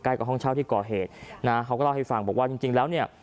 กับห้องเช่าที่ก่อเหตุนะเขาก็เล่าให้ฟังบอกว่าจริงจริงแล้วเนี่ย